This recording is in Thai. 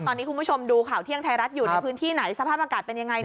ตอนนี้คุณผู้ชมดูข่าวเที่ยงไทยรัฐอยู่ในพื้นที่ไหนสภาพอากาศเป็นยังไง